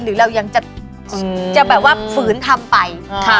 หรือเรายังจะฝืนทำไป